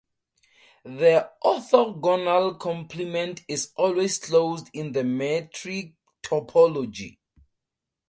The orthogonal complement is always closed in the metric topology.